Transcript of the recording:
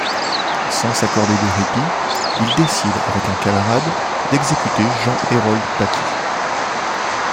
Sans s'accorder de répit, il décide, avec un camarade, d'exécuter Jean Hérold-Paquis.